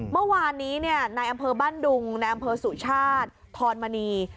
เมื่อวานนี้ในอำเภอบ้านดุงในอำเภอสุชาติธรมณี